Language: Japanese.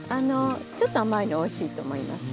ちょっと甘いのおいしいと思います。